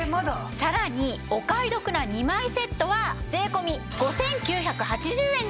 さらにお買い得な２枚セットは税込５９８０円です！